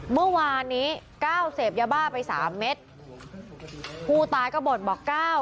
เมื่อวานนี้ก้าวเสพยาบ้าไปสามเม็ดผู้ตายก็บ่นบอกก้าว